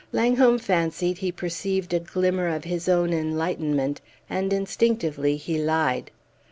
Langholm fancied he perceived a glimmer of his own enlightenment, and instinctively he lied.